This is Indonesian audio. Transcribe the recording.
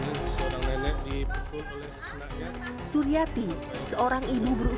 pak buse seorang nenek dipepuk oleh anaknya